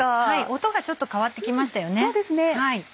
音がちょっと変わってきましたよね。